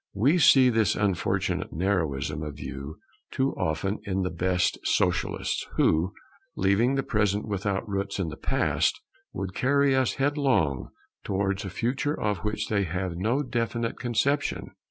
We see this unfortunate narrowness of view too often in the best socialists, who, leaving the present without roots in the past, would carry us headlong towards a future of which they have no definite conception.